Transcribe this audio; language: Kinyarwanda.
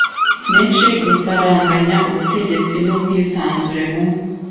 menshi gusaranganya ubutegetsi n ubwisanzure mu